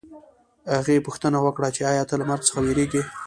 هغې پوښتنه وکړه چې ایا ته له مرګ څخه وېرېږې